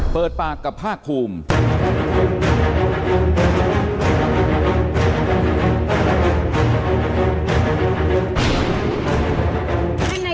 เปิดปากกับภาคภูมิ